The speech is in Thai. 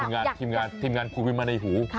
เดี๋ยวทีมงานพูดมาในหู